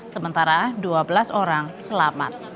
sementara dua belas orang selamat